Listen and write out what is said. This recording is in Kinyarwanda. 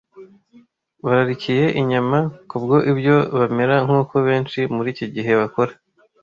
Bararikiye inyama, kubwo ibyo bamera nk’uko benshi muri iki gihe bakora.